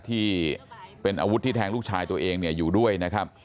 ที่เป็นอาวุธที่แทงลูกชายตัวเองเนี่ยอยู่ด้วยนะครับ